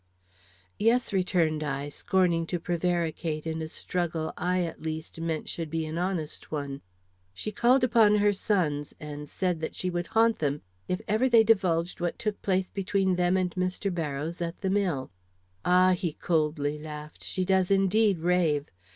"Yes," returned I, scorning to prevaricate in a struggle I at least meant should be an honest one. "She called upon her sons, and said that she would haunt them if ever they divulged what took place between them and Mr. Barrows at the mill." "Ah!" he coldly laughed; "she does indeed rave."